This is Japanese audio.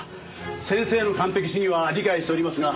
先生の完璧主義は理解しておりますがこれは。